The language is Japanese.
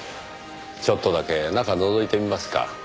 ちょっとだけ中のぞいてみますか。